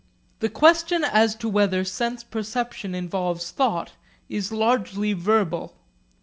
The question as to whether sense perception involves thought is largely verbal.